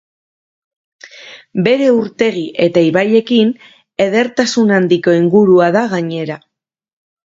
Bere urtegi eta ibaiekin edertasun handiko ingurua da gainera.